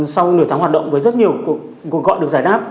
sau nửa tháng hoạt động với rất nhiều cuộc gọi được giải đáp